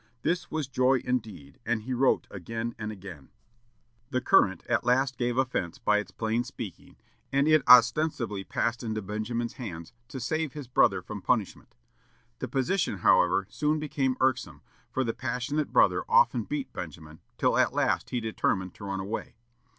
This was joy indeed, and he wrote again and again. The Courant at last gave offence by its plain speaking, and it ostensibly passed into Benjamin's hands, to save his brother from punishment. The position, however, soon became irksome, for the passionate brother often beat Benjamin, till at last he determined to run away.